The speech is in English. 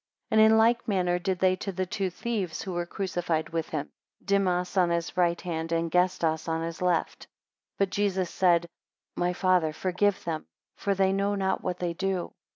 3 And in like manner did they to the two thieves who were crucified with him, Dimas on his right hand and Gestas on his left. 4 But Jesus said, My Father, forgive them, For they know not what they do.